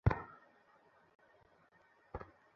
দরজা বন্ধ করো।